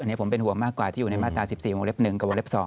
อันนี้ผมเป็นห่วงมากกว่าที่อยู่ในมาตรา๑๔วงเล็บ๑กับวงเล็บ๒